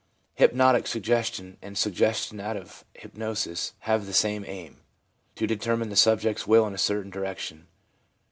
' Hypnotic suggestion, and suggestion out of hypnosis, have the same aim : to determine the subject's will in a certain direction.